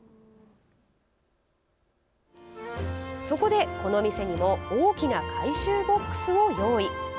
そこで、この店にも大きな回収ボックスを用意。